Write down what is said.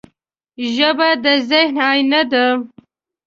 ژبه د ذهن آینه ده